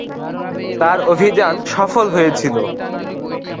তার অভিযান সফল হয়েছিল।